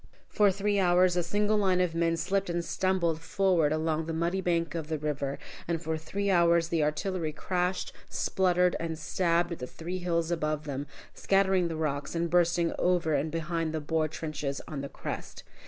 For three hours a single line of men slipped and stumbled forward along the muddy bank of the river, and for three hours the artillery crashed, spluttered, and stabbed at the three hills above them, scattering the rocks and bursting over and behind the Boer trenches on the crest.